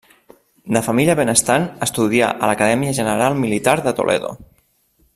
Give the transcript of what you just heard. De família benestant, estudià a l'Acadèmia General Militar de Toledo.